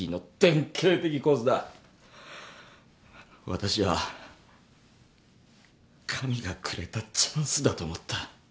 私は神がくれたチャンスだと思った。